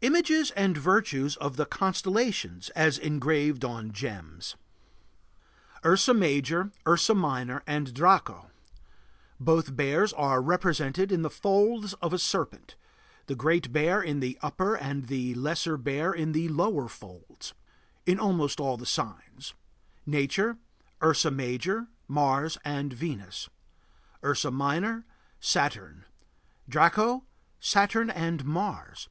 Images and virtues of the constellations as engraved on gems: URSA MAJOR, URSA MINOR, AND DRACO. Both bears are represented in the folds of a serpent, the Great Bear in the upper and the Lesser Bear in the lower folds. In almost all the signs. Nature: Ursa Major, Mars and Venus. Ursa Minor: Saturn. Draco: Saturn and Mars.